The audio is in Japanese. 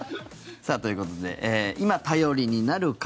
ということで今、頼りになる！